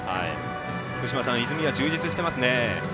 福島さん泉谷は充実していますね。